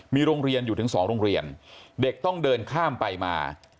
มีโรงเรียนอยู่ถึง๒โรงเรียนเด็กต้องเดินข้ามไปมา